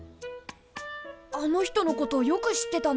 あの人のことよく知ってたね。